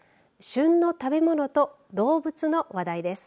旬の食べ物と動物の話題です。